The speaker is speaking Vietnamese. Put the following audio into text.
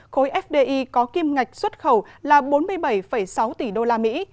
khối fdi có kim ngạch xuất khẩu là bốn mươi bảy sáu tỷ đô la mỹ